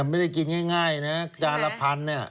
ไม่ได้กินง่ายนะจานละพันเนี่ย